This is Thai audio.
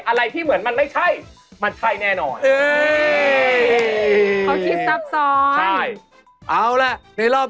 อะไรที่เหมือนมันไม่ใช่มันใช่แน่นอน